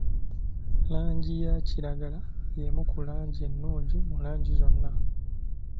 Langi ya kiragala y'emu ku langi ennungi mu langi zonna.